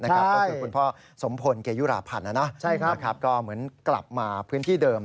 ใช่คุณพ่อสมพลเกยุราพันธ์นะนะครับก็เหมือนกลับมาพื้นที่เดิม